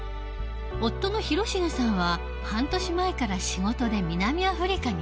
夫の広重さんは半年前から仕事で南アフリカにいる。